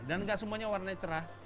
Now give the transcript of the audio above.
dan gak semuanya warnanya cerah